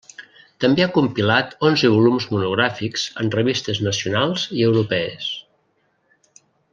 També ha compilat onze volums monogràfics en revistes nacionals i europees.